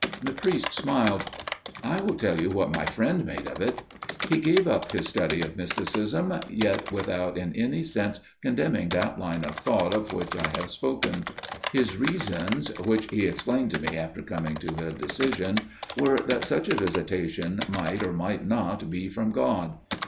The priest smiled. "I will tell you what my friend made of it. He gave up his study of mysticism, yet without in any sense condemning that line of thought of which I have spoken. His reasons, which he explained to me after coming to a decision, were that such a visitation might or might not be from God.